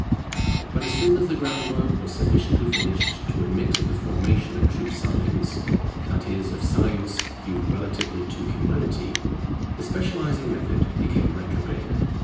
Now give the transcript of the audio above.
But as soon as the groundwork was sufficiently finished to admit of the formation of true Science, that is, of Science viewed relatively to Humanity, the specializing method became retrograde.